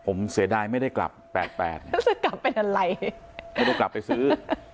ผมเสียดายไม่ได้กลับแปดแปดกลับเป็นอะไรก็ดูกลับไปซื้อ